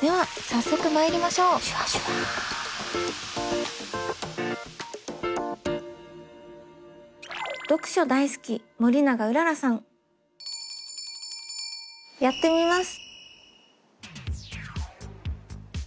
では早速まいりましょうやってみます。